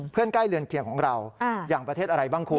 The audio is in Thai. ใกล้เรือนเคียงของเราอย่างประเทศอะไรบ้างคุณ